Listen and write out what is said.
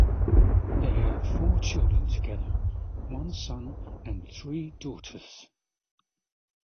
They had four children together - one son and three daughters.